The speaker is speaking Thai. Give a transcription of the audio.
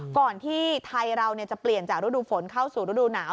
ก่อนที่ไทยเราจะเปลี่ยนจากฤดูฝนเข้าสู่ฤดูหนาว